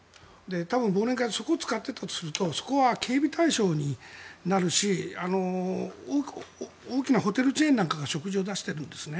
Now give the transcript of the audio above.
多分、忘年会はそこを使っていたとするとそこは警備対象になるし大きなホテルチェーンなんかが食事を出しているんですね。